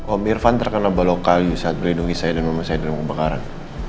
om irfan terkena balok kayu saat melindungi saya dan mama saya di dalam kebakaran